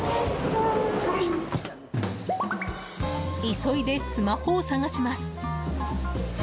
急いでスマホを探します。